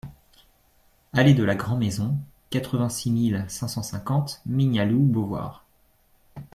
Allée de la Grand'Maison, quatre-vingt-six mille cinq cent cinquante Mignaloux-Beauvoir